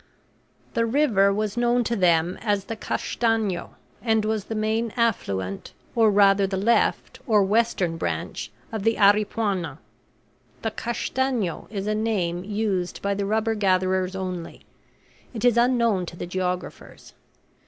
The river was known to them as the Castanho, and was the main affluent or rather the left or western branch, of the Aripuanan; the Castanho is a name used by the rubber gatherers only; it is unknown to the geographers.